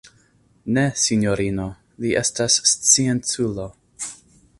Ne, sinjorino: li estas scienculo.